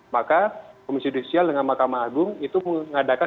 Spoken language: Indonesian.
maka komisi judisial dengan mahkamah agung itu mengadakan